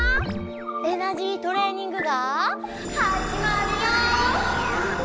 エナジートレーニングがはじまるよ！